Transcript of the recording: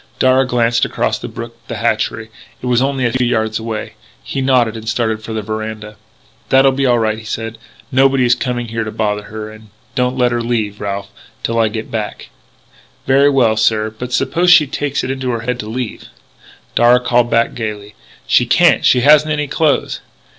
Darragh glanced across the brook at the hatchery. It was only a few yards away. He nodded and started for the veranda: "That'll be all right," he said. "Nobody is coming here to bother her.... And don't let her leave, Ralph, till I get back " "Very well, sir. But suppose she takes it into her head to leave " Darragh called back, gaily: "She can't: she hasn't any clothes!"